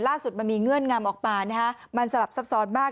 ล่าสุดมันมีเงื่อนงำออกมานะฮะมันสลับซับซ้อนมาก